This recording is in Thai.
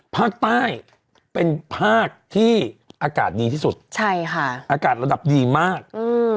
ภาคใต้เป็นภาคที่อากาศดีที่สุดใช่ค่ะอากาศระดับดีมากอืม